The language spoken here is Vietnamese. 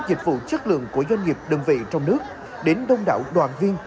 dịch vụ chất lượng của doanh nghiệp đơn vị trong nước đến đông đảo đoàn viên